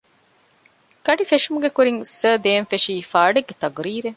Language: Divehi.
ގަޑި ފެށުމުގެ ކުރިން ސާރ ދޭން ފެށީ ފާޑެއްގެ ތަޤުރީރެއް